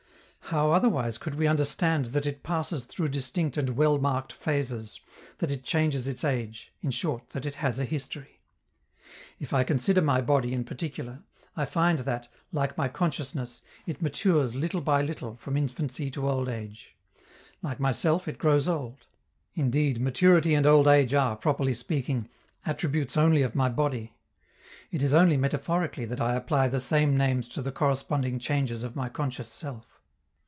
How otherwise could we understand that it passes through distinct and well marked phases, that it changes its age in short, that it has a history? If I consider my body in particular, I find that, like my consciousness, it matures little by little from infancy to old age; like myself, it grows old. Indeed, maturity and old age are, properly speaking, attributes only of my body; it is only metaphorically that I apply the same names to the corresponding changes of my conscious self.